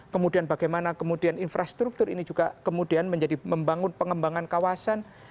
kemudian bagaimana kemudian infrastruktur ini juga kemudian menjadi membangun pengembangan kawasan